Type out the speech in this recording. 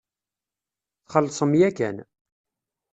Txellṣem yakan.